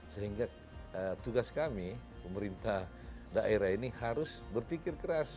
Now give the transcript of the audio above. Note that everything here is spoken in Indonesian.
sehingga tugas kami pemerintah daerah ini harus berpikir keras